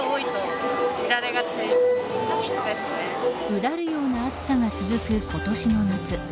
うだるような暑さが続く今年の夏。